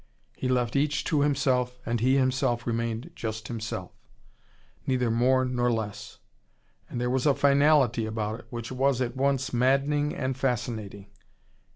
He left each to himself, and he himself remained just himself: neither more nor less. And there was a finality about it, which was at once maddening and fascinating.